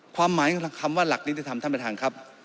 ความหมายของคำว่าหลักนิติธรรมท่านประธานครับ